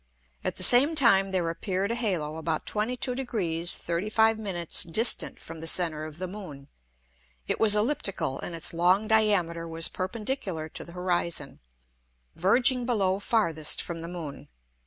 At the same time there appear'd a Halo about 22 Degrees 35´ distant from the center of the Moon. It was elliptical, and its long Diameter was perpendicular to the Horizon, verging below farthest from the Moon.